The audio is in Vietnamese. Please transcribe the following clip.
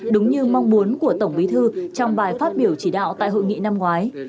đúng như mong muốn của tổng bí thư trong bài phát biểu chỉ đạo tại hội nghị năm ngoái